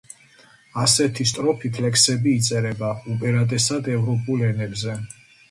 ასეთი სტროფით ლექსები იწერება, უპირატესად, ევროპულ ენებზე.